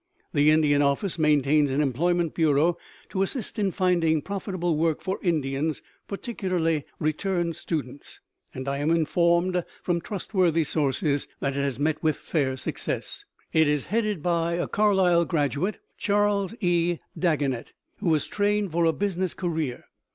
The Indian office maintains an employment bureau to assist in finding profitable work for Indians, particularly returned students, and I am informed from trustworthy sources that it has met with fair success. It is headed by a Carlisle graduate, Charles E. Dagenett, who was trained for a business career.